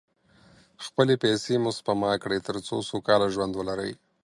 خپلې پیسې مو سپما کړئ، تر څو سوکاله ژوند ولرئ.